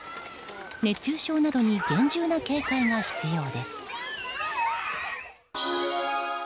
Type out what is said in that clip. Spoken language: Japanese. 熱中症などに厳重な警戒が必要です。